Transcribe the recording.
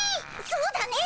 そうだね。